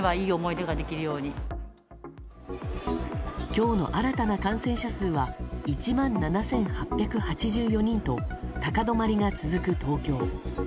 今日の新たな感染者数は１万７８８４人と高止まりが続く東京。